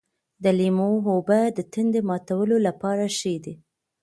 د لیمو اوبه د تندې ماتولو لپاره ښې دي.